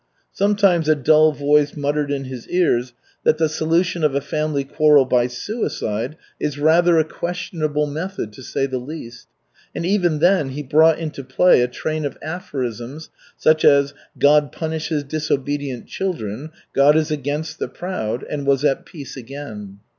Sometimes a dull voice muttered in his ears that the solution of a family quarrel by suicide is rather a questionable method, to say the least; and even then he brought into play a train of aphorisms, such as "God punishes disobedient children," "God is against the proud," and was at peace again.